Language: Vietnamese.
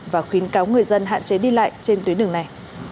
và khuyến cáo người dân hạn chế đi lại trên tuyến đường này